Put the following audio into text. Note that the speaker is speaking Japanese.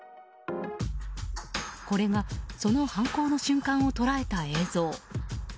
これがその犯行の瞬間を捉えた映像。